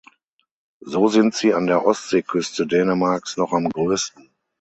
So sind sie an der Ostseeküste Dänemarks noch am größten.